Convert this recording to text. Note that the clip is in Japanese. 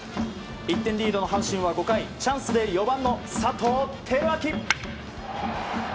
１点リードの阪神は５回チャンスで４番の佐藤輝明。